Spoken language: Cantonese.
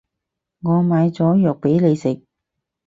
我買咗藥畀你食